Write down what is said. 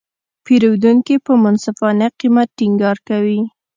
پیرودونکي په منصفانه قیمت ټینګار کوي.